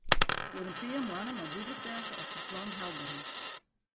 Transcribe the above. Oer in pear moanne moat dúdlik wêze oft it plan helber is.